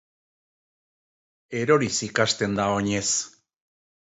Eroriz ikasten da oinez.